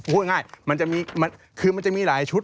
พูดง่ายมันจะมีคือมันจะมีหลายชุด